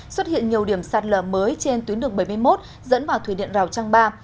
xuất hiện nhiều điểm sạt lở mới trên tuyến đường bảy mươi một dẫn vào thủy điện rào trang ba